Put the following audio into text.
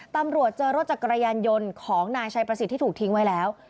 ตำรวจเจอรถจักรยานยนต์ของนายชัยประสิทธิ์ที่ถูกทิ้งไว้แล้ว